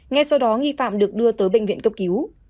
ngay sau đó nghi phạm được đưa tới bệnh viện cấp cứu